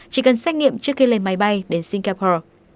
chỉ cần xét nghiệm trước khi lên máy bay đến singapore